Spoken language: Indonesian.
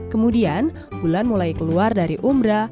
kemudian bulan mulai keluar dari umbra